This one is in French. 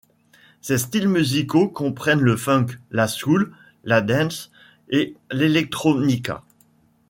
Ses styles musicaux comprennent le funk, la soul, la dance et l'electronica.